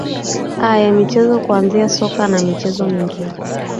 aa ya michezo kwanzia soka na michezo mingineyo